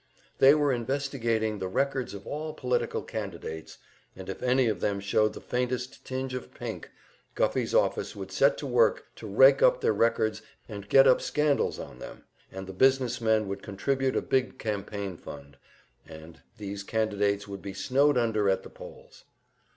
They were investigating the records of all political candidates, and if any of them showed the faintest tinge of pink, Guffey's office would set to work to rake up their records and get up scandals on them, and the business men would contribute a big campaign fund, and these candidates would be snowed under at the polls.